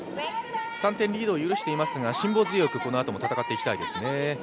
３点リードを許していますが、辛抱強くこのあとも戦っていきたいですね。